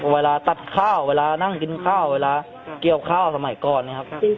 เวลาตัดข้าวเวลานั่งกินข้าวเวลาเกี่ยวข้าวสมัยก่อนนะครับ